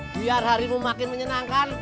biar harimu makin menyenangkan